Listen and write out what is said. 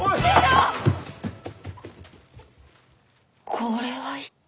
これは一体？